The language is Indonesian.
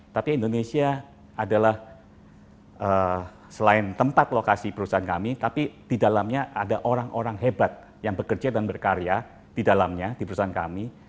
tapi indonesia adalah selain tempat lokasi perusahaan kami tapi di dalamnya ada orang orang hebat yang bekerja dan berkarya di dalamnya di perusahaan kami